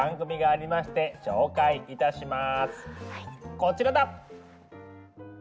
こちらだ！